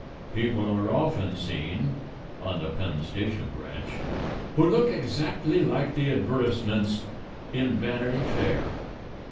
People are often seen (on the Penn Station branch) who look exactly like the advertisements in Vanity Fair.